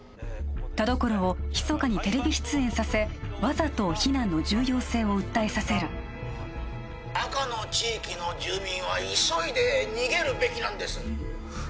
田所をひそかにテレビ出演させわざと避難の重要性を訴えさせる赤の地域の住民は急いで逃げるべきなんです